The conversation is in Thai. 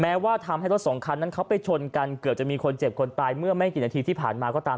ว่าทำให้รถสองคันนั้นเขาไปชนกันเกือบจะมีคนเจ็บคนตายเมื่อไม่กี่นาทีที่ผ่านมาก็ตาม